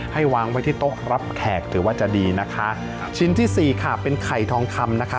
วางไว้ที่โต๊ะรับแขกถือว่าจะดีนะคะชิ้นที่สี่ค่ะเป็นไข่ทองคำนะคะ